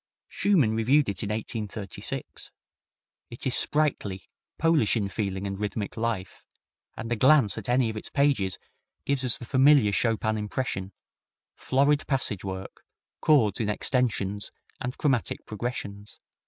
Schumann reviewed it in 1836. It is sprightly, Polish in feeling and rhythmic life, and a glance at any of its pages gives us the familiar Chopin impression florid passage work, chords in extensions and chromatic progressions.